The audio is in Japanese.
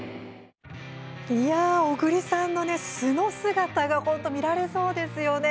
小栗さんの素の姿が見られそうですよね。